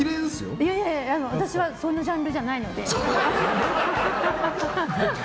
いやいや、私はそんなジャンルじゃないので。